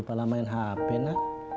kepala main hp nak